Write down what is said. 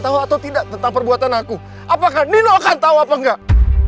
tahu atau tidak tentang perbuatan aku apakah nino akan tahu apa enggak